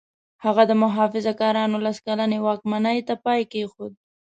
هغه د محافظه کارانو لس کلنې واکمنۍ ته پای کېښود.